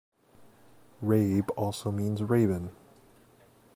Rabe also means Raven.